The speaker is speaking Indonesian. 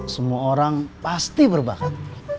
semua orang pasti berbakat